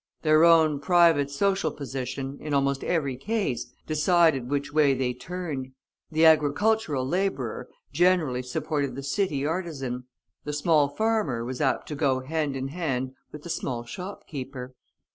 Their own private social position, in almost every case, decided which way they turned; the agricultural laborer generally supported the city artisan; the small farmer was apt to go hand in hand with the small shopkeeper.